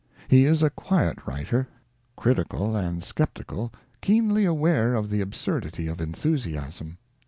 He is a quiet writer, critical and sceptical, keenly aware of the absurdity of enthusiasm.